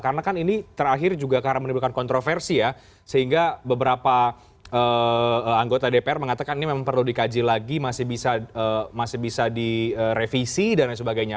karena kan ini terakhir juga keharap menimbulkan kontroversi ya sehingga beberapa anggota dpr mengatakan ini memang perlu dikaji lagi masih bisa di revisi dan lain sebagainya